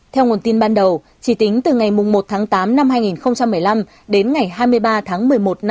theo nguồn tin ban đầu chỉ tính từ ngày một tháng tám năm hai nghìn một mươi năm đến ngày hai mươi ba tháng một mươi một